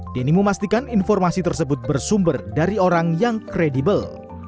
denny memastikan informasi tersebut bersumber dari orang yang kredibel